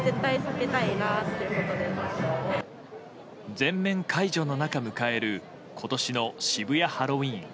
全面解除の中、迎える今年の渋谷ハロウィーン。